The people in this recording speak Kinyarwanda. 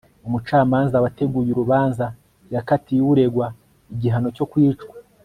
umucamanza wateguye urubanza yakatiye uregwa igihano cyo kwicwa